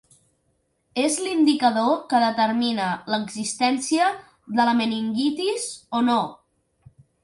És l’indicador que determina l’existència de la meningitis o no.